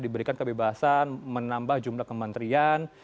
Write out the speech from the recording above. diberikan kebebasan menambah jumlah kementerian